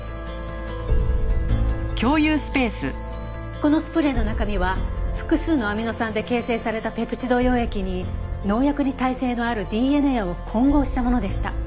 このスプレーの中身は複数のアミノ酸で形成されたペプチド溶液に農薬に耐性のあるＤＮＡを混合したものでした。